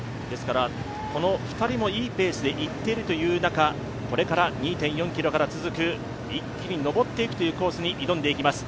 この２人もいいペースでいっているという中、これから２．４ｋｍから続く一気に上るコースに挑んでいきます。